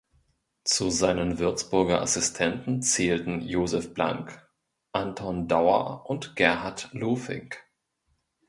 Zu seinen Würzburger Assistenten zählten Josef Blank, Anton Dauer und Gerhard Lohfink.